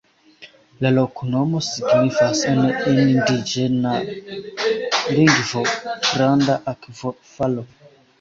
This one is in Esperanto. La loknomo signifas en indiĝena lingvo: "granda akvofalo".